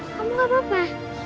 kamu gak apa apa